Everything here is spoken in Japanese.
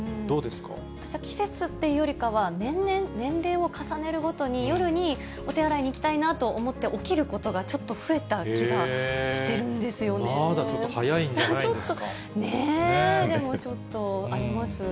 私は季節っていうよりかは、年々、年齢を重ねるごとに、夜にお手洗いに行きたいなと思って起きることがちょっと増えた気まだちょっと早いんじゃないちょっと、ね。